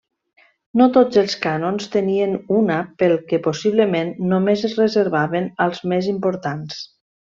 No tots els cànons tenien una pel que possiblement només es reservaven als més importants.